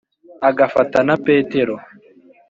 Agafata na Petero